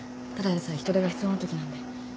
ただでさえ人手が必要なときなんで。